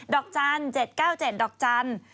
อกจันทร์๗๙๗ดอกจันทร์